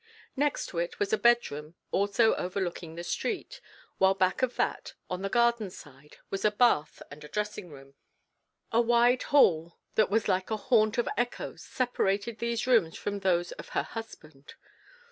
Next to it was a bed room also overlooking the street, while back of that, on the garden side, was a bath and a dressing room. A wide hall that was like a haunt of echoes separated these rooms from those of her husband.